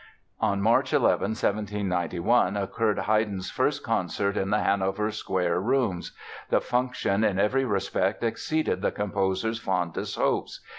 On March 11, 1791, occurred Haydn's first concert in the Hanover Square Rooms. The function in every respect exceeded the composer's fondest hopes.